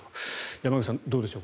山口さん、どうでしょう。